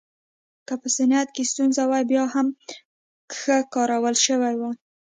که په صنعت کې ستونزې وای بیا هم ښه کارول شوې وای.